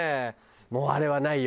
もうあれはないよ。